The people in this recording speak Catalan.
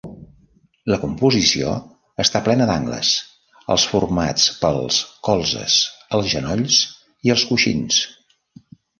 La composició està plena d'angles: els formats pels colzes, els genolls i els coixins.